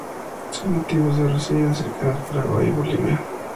Son nativos de Brasil y las cercanas Paraguay y Bolivia.